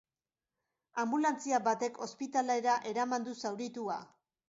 Anbulantzia batek ospitalera eraman du zauritua.